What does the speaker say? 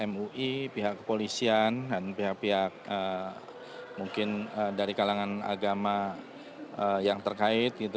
mui pihak kepolisian dan pihak pihak mungkin dari kalangan agama yang terkait